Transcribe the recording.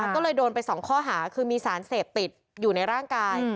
ก็เลยโดนไป๒ข้อหาคือมีสารเสพติดอยู่ในร่างกาย